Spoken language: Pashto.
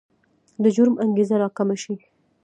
د جرم انګېزه راکمه شي.